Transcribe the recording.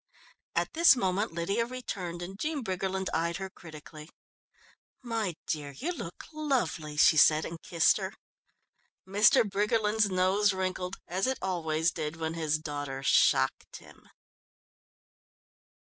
At this moment Lydia returned and Jean Briggerland eyed her critically. "My dear, you look lovely," she said and kissed her. Mr. Briggerland's nose wrinkled, as it always did when his daughter shocked him.